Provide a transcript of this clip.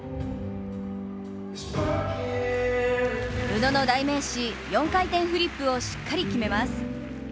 宇野の代名詞、４回転フリップをしっかり決めます。